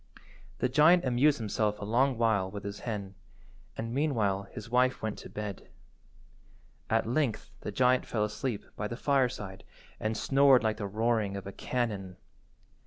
The giant amused himself a long while with his hen, and meanwhile his wife went to bed. At length the giant fell asleep by the fireside and snored like the roaring of a cannon.